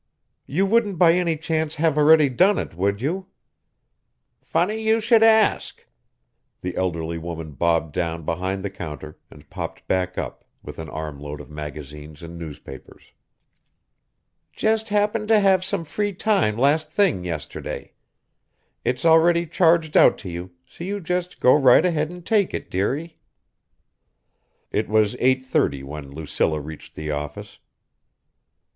"You wouldn't by any chance have already done it, would you?" "Funny you should ask." The elderly woman bobbed down behind the counter and popped back up with an armload of magazines and newspapers. "Just happened to have some free time last thing yesterday. It's already charged out to you, so you just go right ahead and take it, dearie." It was 8:30 when Lucilla reached the office.